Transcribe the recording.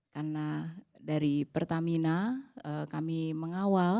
karena dari pertamina kami mengawasi